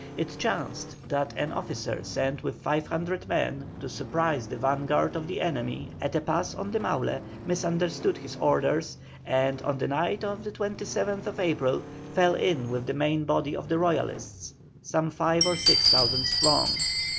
It chanced that an officer sent with 500 men to surprise the vanguard of the enemy at a pass on the Maule, misunderstood his orders, and on the night of the 27th April fell in with the main body of the Royalists, some five or six thousand strong.